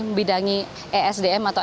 membidangi esdm atau nu